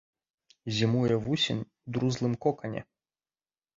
Зімуе вусень ў друзлым кокане.